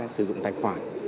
sử dụng tài khoản